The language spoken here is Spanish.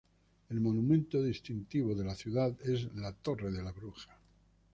El monumento distintivo de la ciudad es la Torre de la Bruja.